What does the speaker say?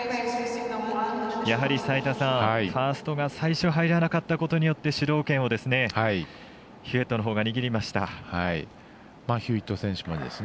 やはりファーストが最初、入らなかったことによって主導権をヒューウェットのほうが握りました。